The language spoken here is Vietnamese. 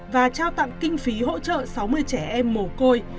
và trao tặng kinh phí hỗ trợ sáu mươi trẻ em mồ côi